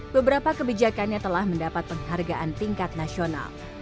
beberapa kebijakannya telah mendapat penghargaan tingkat nasional